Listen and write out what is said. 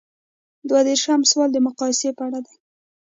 دوه دیرشم سوال د مقایسې په اړه دی.